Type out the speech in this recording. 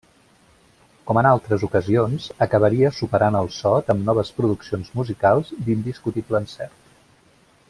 Com en altres ocasions, acabaria superant el sot amb noves produccions musicals d'indiscutible encert.